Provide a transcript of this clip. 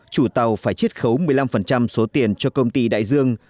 chủ tàu phải chiết khấu một mươi năm số tiền cho công ty đại dương